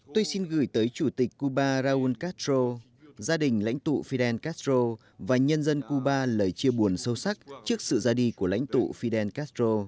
tôi xin gửi tới chủ tịch cuba raúl castro gia đình lãnh tụ fidel castro và nhân dân cuba lời chia buồn sâu sắc trước sự ra đi của lãnh tụ fidel castro